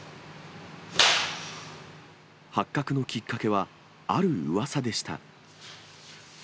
発覚のきっかけは、あるうわさでした。